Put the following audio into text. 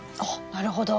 なるほど。